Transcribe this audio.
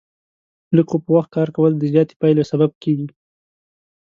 لږ خو په وخت کار کول، د زیاتې پایلې سبب کېږي.